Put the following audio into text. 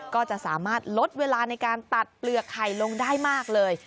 ก็จะสามารถลดเวลาในการตัดเปลือกไข่ลงได้มากเลย